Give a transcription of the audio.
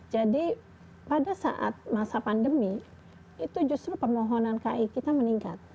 jadi pada saat masa pandemi itu justru permohonan ki kita meningkat